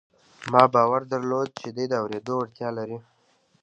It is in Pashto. ما باور درلود چې دی د اورېدو وړتیا لري